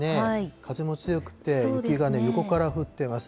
風も強くて、雪が横から降ってます。